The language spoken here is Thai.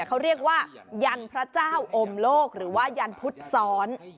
เขาเรียกว่ายันพระเจ้าอมโลกหรือว่ายันพุทธซ้อน